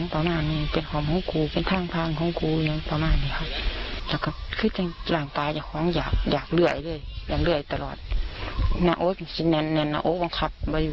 ไปถามอาจารย์ป๊อกนะคะ